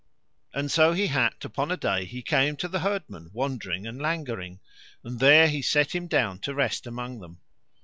And so he happed upon a day he came to the herdmen wandering and langering, and there he set him down to rest among them.